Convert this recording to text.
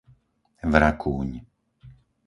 Vrakúň